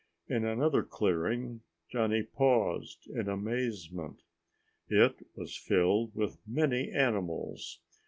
In another clearing Johnny paused in amazement. It was filled with many animals.